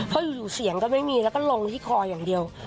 เพราะอยู่เสียงก็ไม่มีแล้วก็ลงที่คออย่างเดียว